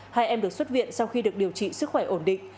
hai em được xuất viện sau khi được điều trị sức khỏe ổn định